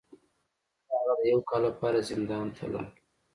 بیا هغه د یو کال لپاره زندان ته لاړ.